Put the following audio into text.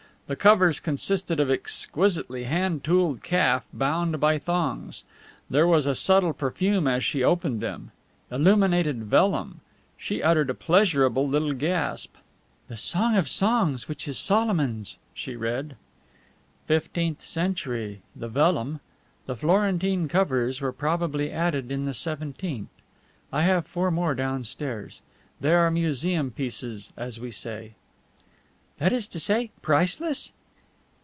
The covers consisted of exquisitely hand tooled calf bound by thongs; there was a subtle perfume as she opened them. Illuminated vellum. She uttered a pleasurable little gasp. "The Song of Songs, which is Solomon's," she read. "Fifteenth century the vellum. The Florentine covers were probably added in the seventeenth. I have four more downstairs. They are museum pieces, as we say." "That is to say, priceless?"